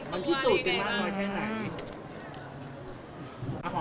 เป็นพิสูจน์จึงมากมายแค่ไหน